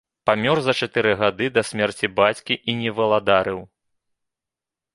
Памёр за чатыры гады да смерці бацькі і не валадарыў.